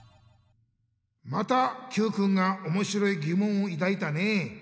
またＱくんがおもしろいぎもんをいだいたね。